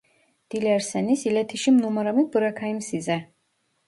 Dilerseniz iletişim numaramı bırakayım size